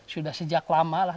sudah sejak lama lah